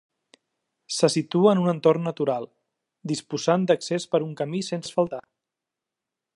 Se situa en un entorn natural, disposant d'accés per un camí sense asfaltar.